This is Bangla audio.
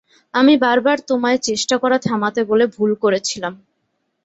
আমি বারবার তোমায় চেষ্টা করা থামাতে বলে ভুল করেছিলাম।